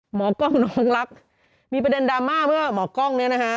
หมอกล้องน้องรักมีประเด็นดราม่าเมื่อหมอกล้องเนี่ยนะฮะ